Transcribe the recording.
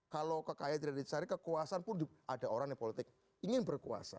kalau kekayaan tidak dicari kekuasaan pun ada orang yang politik ingin berkuasa